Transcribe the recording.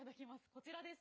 こちらです。